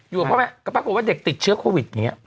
อยู่กับพ่อแม่ก็ปรากฏว่าเด็กติดเชื้อโควิด